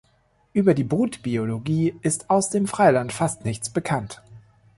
Über die Brutbiologie ist aus dem Freiland fast nichts bekannt.